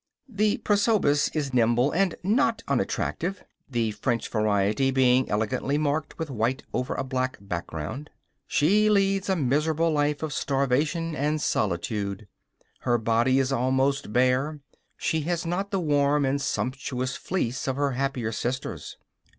The prosopis is nimble and not unattractive, the French variety being elegantly marked with white over a black background. She leads a miserable life of starvation and solitude. Her body is almost bare; she has not the warm and sumptuous fleece of her happier sisters.